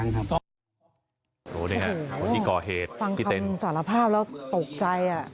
ฟังคำสารภาพแล้วตกใจอ่ะ